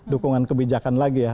dukungan kebijakan lagi ya